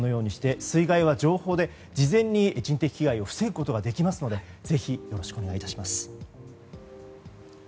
水害は事前に人的被害を防ぐことができますのでぜひ、よろしくお願い致します。